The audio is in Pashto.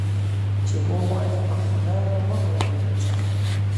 ـ چې وغواړې په خوله وبه خورې په څه.